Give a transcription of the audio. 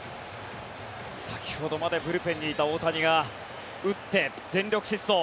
先ほどまでブルペンにいた大谷が打って全力疾走。